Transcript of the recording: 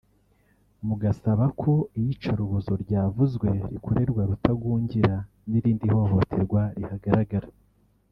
mugasaba ko iyicarubozo ryavuzwe rikorerwa Rutagungira n’irindi hohoterwa rihagarara